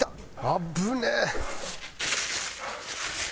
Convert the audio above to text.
危ねえ！